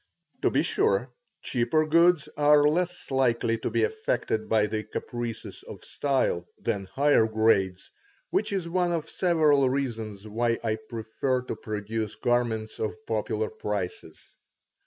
To be sure, cheaper goods are less likely to be affected by the caprices of style than higher grades, which is one of several reasons why I prefer to produce garments of popular prices.